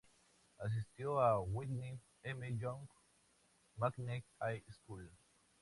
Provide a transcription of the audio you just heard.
Asistió a Whitney M. Young Magnet High School.